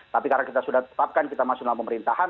tapi karena kita sudah tetapkan kita masuk dalam pemerintahan